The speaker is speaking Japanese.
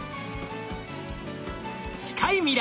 近い未来